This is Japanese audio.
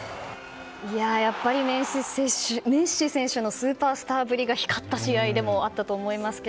やっぱりメッシ選手のスーパースターぶりが光った試合でもあったと思いますが。